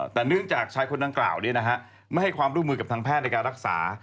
แต่เนื่องจากชายคนดังกล่าวไม่ให้ความร่วมมือกับทางแพทย์ในการรักษา